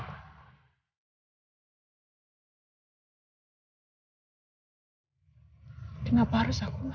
kenapa harus aku mas